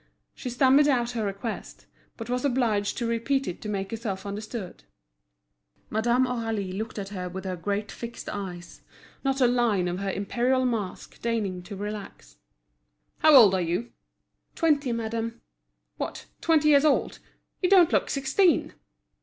She stammered out her request, but was obliged to repeat it to make herself understood. Madame Aurélie looked at her with her great fixed eyes, not a line of her imperial mask deigning to relax. "How old are you?" "Twenty, madame." "What, twenty years old? you don't look sixteen!"